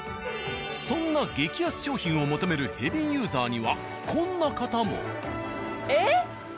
そんな激安商品を求めるヘビーユーザーにはこんな方も。